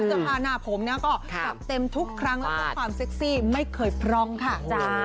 เสื้อผ้าหน้าผมนะก็จัดเต็มทุกครั้งแล้วก็ความเซ็กซี่ไม่เคยพร่องค่ะ